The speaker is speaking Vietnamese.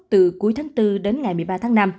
từ cuối tháng bốn đến ngày một mươi ba tháng năm